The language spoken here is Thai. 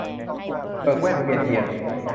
เบิกแว่นเวียนเทียน